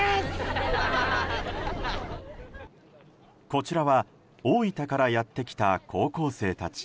こちらは大分からやってきた高校生たち。